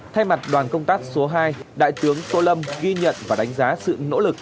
thay mặt đoàn công tác số hai đại tướng tô lâm ghi nhận và đánh giá sự nỗ lực